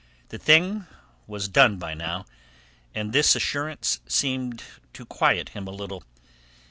The thing was done by now, and this assurance seemed to quiet him a little.